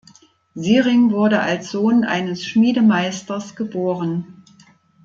Siering wurde als Sohn eines Schmiedemeisters geboren.